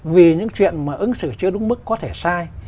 vì những chuyện mà ứng xử chưa đúng mức có thể sai